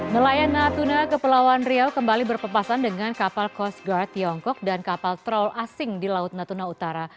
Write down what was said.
nelayan natuna kepulauan riau kembali berpepasan dengan kapal coast guard tiongkok dan kapal troll asing di laut natuna utara